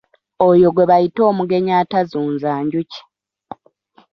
Oyo gwe bayita omugenyi atazunza njuki.